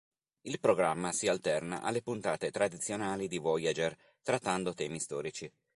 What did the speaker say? Il programma si alterna alle puntate tradizionali di "Voyager" trattando temi storici.